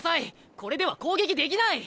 これでは攻撃できない！